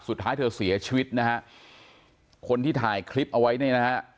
สุดท้ายเธอเสียชีวิตนะฮะคนที่ถ่ายคลิปเอาไว้เนี่ยนะฮะ